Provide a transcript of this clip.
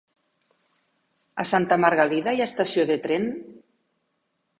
A Santa Margalida hi ha estació de tren?